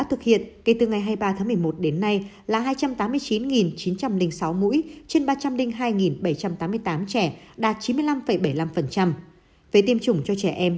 thực hiện kể từ ngày hai mươi ba tháng một mươi một đến nay là hai trăm tám mươi chín chín trăm linh sáu mũi trên ba trăm linh hai bảy trăm tám mươi tám mũi về tiêm chủng cho trẻ em